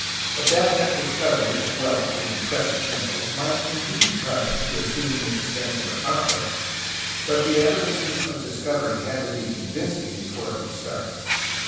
A definite discovery of wealth in precious metals might indeed cause it to assimie the expense of a conquest, but the evidences of discovery had to be convincing before it would start.